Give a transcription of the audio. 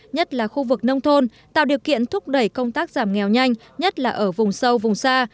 nhất là khu vực nông thôn tạo điều kiện thúc đẩy công tác giảm nghèo nhanh nhất là ở vùng sâu vùng xa